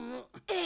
え！